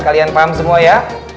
kalian paham semua ya